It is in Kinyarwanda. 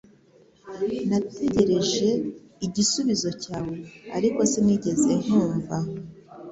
Nategereje igisubizo cyawe, ariko sinigeze nkumva